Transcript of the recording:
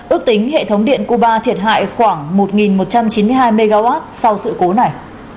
ước tính hệ thống điện cuba thiệt hại khoảng một một trăm chín mươi hai mw sau sự cố này